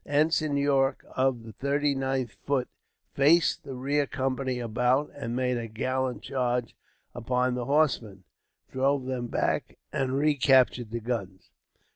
Ensign Yorke, of the 39th Foot, faced the rear company about, and made a gallant charge upon the horsemen, drove them back, and recaptured the guns.